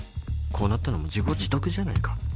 こうなったのも自業自得じゃないか